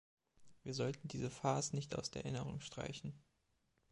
Wir sollten diese Farce nicht aus der Erinnerung streichen.